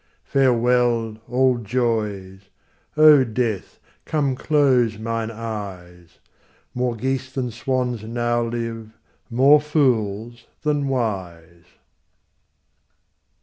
Farewell, all joys; O Death, come close mine eyes; More geese than swans now live, more fools than wise.